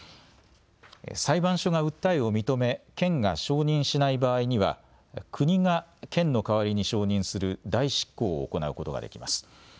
裁判所が訴えを認め県が承認しない場合には国が県の代わりに承認する代執行を行うことができます。